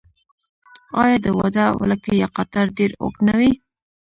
آیا د واده ولکۍ یا قطار ډیر اوږد نه وي؟